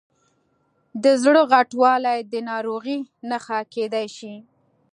د زړه غټوالی د ناروغۍ نښه کېدای شي.